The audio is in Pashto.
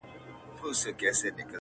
هم د لاس هم يې د سترگي نعمت هېر وو٫